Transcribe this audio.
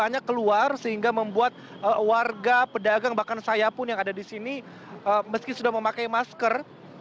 mereka keluar sehingga membuat warga pedagang bahkan saya pun yang ada di sini meski sudah memakai masker